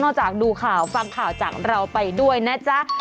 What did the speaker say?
จากดูข่าวฟังข่าวจากเราไปด้วยนะจ๊ะ